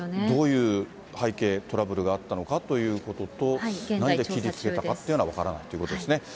どういう背景、トラブルがあったのかということと、なぜ切りつけたかっていうことは分からないということですね。